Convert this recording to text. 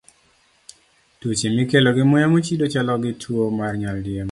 Tuoche mikelo gi muya mochido chalo gi tuwo mar nyaldiema.